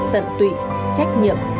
tận tụy trách nhiệm